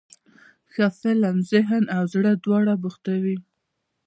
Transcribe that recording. ښه فلم ذهن او زړه دواړه بوختوي.